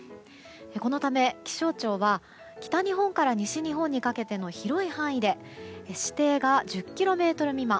このため、気象庁は北日本から西日本にかけての広い範囲で視程が１０ｋｍ未満